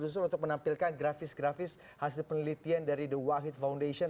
jadi saya ingin menambahkan grafis grafis hasil penelitian dari the wahid foundation